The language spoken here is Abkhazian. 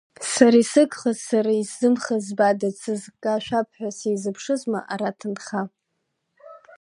Сара исыгхаз, сара исзымхаз збада, дсызкашәап ҳәа сизыԥшызма ара ҭынха!